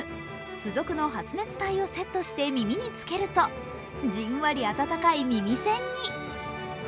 付属の発熱体を接して耳につけると、じんわり暖かい耳栓に。